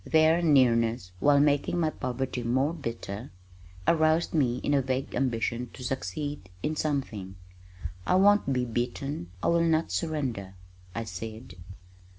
Their nearness while making my poverty more bitter, aroused in me a vague ambition to succeed in something. "I won't be beaten, I will not surrender," I said.